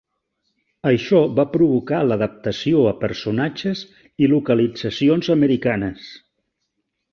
Això va provocar l'adaptació a personatges i localitzacions americanes.